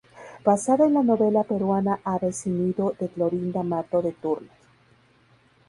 Basada en la novela peruana "Aves sin nido" de Clorinda Matto de Turner.